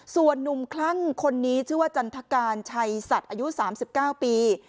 ส่วนนุ่มคลั่งคนนี้ชื่อว่าจันทการชัยสัตว์อายุ๓๙ปี